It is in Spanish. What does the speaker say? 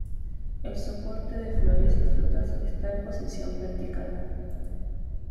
El soporte de flores y frutas está en posición vertical.